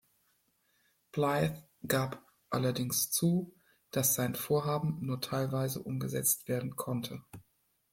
Blythe gab allerdings zu, dass sein Vorhaben nur teilweise umgesetzt werden konnte.